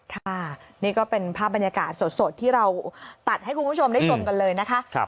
ค่ะนี่ก็เป็นภาพบรรยากาศสดที่เราตัดให้คุณผู้ชมได้ชมกันเลยนะคะ